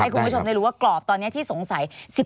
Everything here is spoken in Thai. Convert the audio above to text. คุณผู้ชมได้รู้ว่ากรอบตอนนี้ที่สงสัย